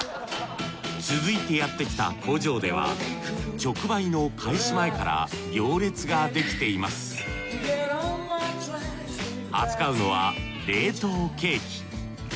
続いてやってきた工場では直売の開始前から行列ができています扱うのは冷凍ケーキ。